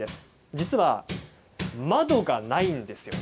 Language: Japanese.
実は、窓がないんです。